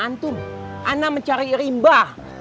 antum ana mencari rimba